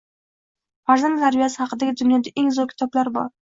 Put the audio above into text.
Farzand tarbiyasi haqidagi dunyoda eng zoʻr kitobliar bor.